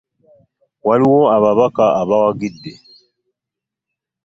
Waliwo ababaka abawagidde.